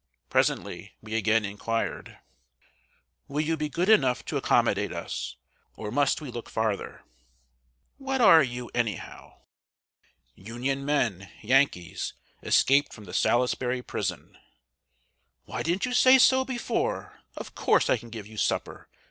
Presently we again inquired: "Will you be good enough to accommodate us, or must we look farther?" "What are you, anyhow?" "Union men Yankees, escaped from the Salisbury prison." "Why didn't you say so before? Of course I can give you supper!